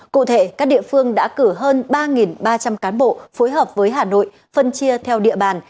cụ thể các địa phương đã cử hơn ba ba trăm linh cán bộ phối hợp với hà nội phân chia theo địa bàn